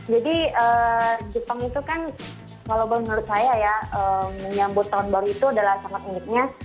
jadi jepang itu kan kalau menurut saya ya menyambut tahun baru itu adalah sangat uniknya